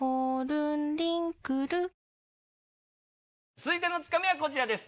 続いてのツカミはこちらです。